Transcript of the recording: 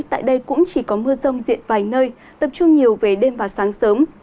tại đây cũng chỉ có mưa rông diện vài nơi tập trung nhiều về đêm và sáng sớm